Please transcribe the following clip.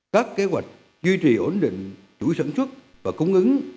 các kế hoạch duy trì ổn định chuỗi sản xuất và cung ứng